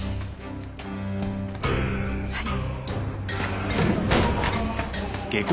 はい。